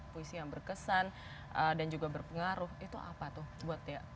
puisi yang berkesan dan juga berpengaruh itu apa tuh buatnya